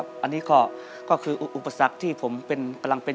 ลองแบบดีใจโย